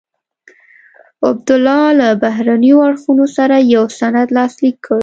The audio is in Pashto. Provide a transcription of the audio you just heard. عبدالله له بهرنیو اړخونو سره یو سند لاسلیک کړ.